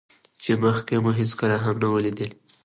چې مخکې مو هېڅکله هم نه وو ليدلى.